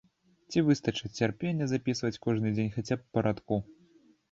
Ці выстачыць цярпення запісваць кожны дзень хаця б па радку?